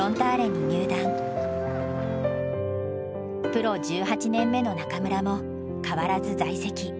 プロ１８年目の中村も変わらず在籍。